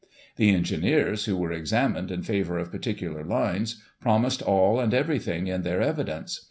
'* The engineers who were examined in favour of particular lines, promised all and everything in their evidence.